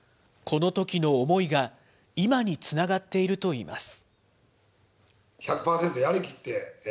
このときの思いが今につながっているといいます。